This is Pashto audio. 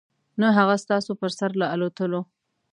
نه هغه ستاسو په سر له الوتلو .